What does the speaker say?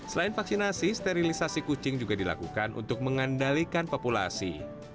selain vaksinasi sterilisasi kucing juga dilakukan untuk mengandalkan populasi